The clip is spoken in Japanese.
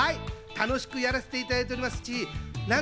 楽しくやらせていただいておりますし。